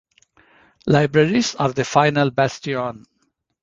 Libraries are the final bastion.